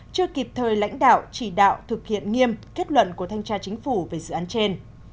chưa kịp thời lãnh đạo chỉ đạo thực hiện nghiêm kết luận của thanh tra chính phủ về dự án trên